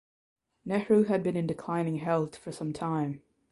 Nehru had been in declining health for some time.